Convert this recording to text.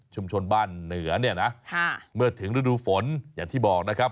บ้านเหนือเนี่ยนะเมื่อถึงฤดูฝนอย่างที่บอกนะครับ